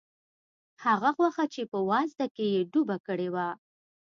هغه غوښه چې په وازده کې یې ډوبه کړې وه.